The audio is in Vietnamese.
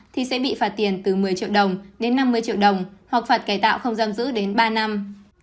thì sẽ bị phạt tiền từ một mươi triệu đồng đến năm mươi triệu đồng hoặc phạt cải tạo không giam giữ đến ba năm